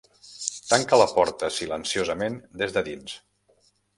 Tanca la porta silenciosament des de dins.